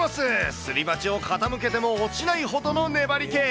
すり鉢を傾けても落ちないほどの粘りけ。